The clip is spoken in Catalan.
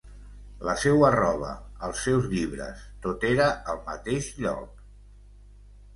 La seua roba, els seus llibres, tot era al mateix lloc.